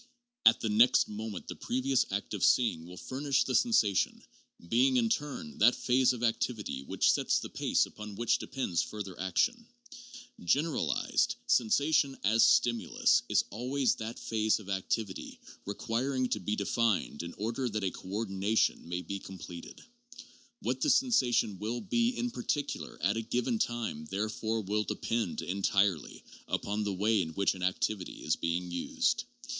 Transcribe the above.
At the next moment the previous act of seeing will furnish the sensation, being, in turn, that phase of activity which sets the pace upon which depends further action. Generalized, sensation as stimulus, is always that phase of activity requiring to be defined in order that a coordination may be completed. What the sensation will be in particular at a given time, therefore, will depend entirely upon the way in which an activity is being used.